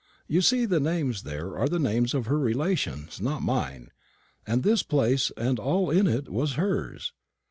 "You see the names there are the names of her relations, not mine; and this place and all in it was hers.